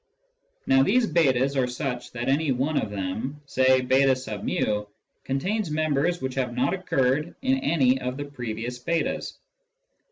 Now these /3's are such that any one of them, say jS^, contains members which have not occurred in any of the previous jS's.